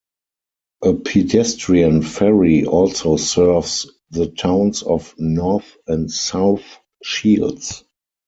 A pedestrian ferry also serves the towns of North and South Shields.